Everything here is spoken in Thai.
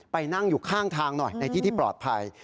ไปนั่งอยู่ข้างทางหน่อยในที่ที่ปลอดภัย